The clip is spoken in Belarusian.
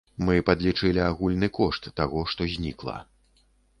Мы падлічылі агульны кошт таго, што знікла.